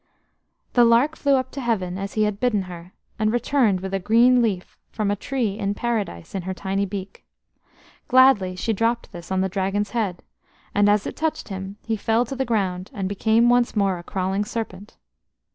The lark flew up to Heaven as he had bidden her, and returned with a green leaf from a tree in Paradise in her tiny beak. Gladly she dropped this on the Dragon's head, and as it touched him he fell to the ground and became once more a crawling serpent.